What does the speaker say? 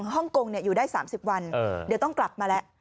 ฮ่องกงอยู่ได้๓๐วันเดี๋ยวต้องกลับมาแล้ว